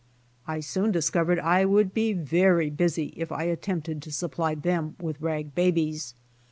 I soon discovered I would be very busy if I attentpted to supply them with rag babies.